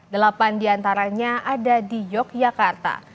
delapan di antaranya ada di yogyakarta